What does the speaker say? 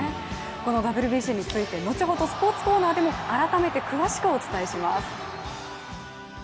ＷＢＣについて、後ほどスポーツコーナーでも改めて詳しくお伝えします。